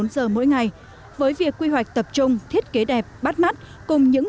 bốn giờ mỗi ngày với việc quy hoạch tập trung thiết kế đẹp bắt mắt cùng những